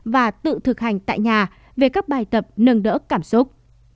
và tự thực hành tại nhà về các bài tập nâng đỡ cảm xúc